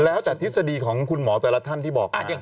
แล้วแต่ทฤษฎีของคุณหมอแต่ละท่านที่บอก